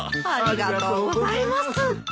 ありがとうございます。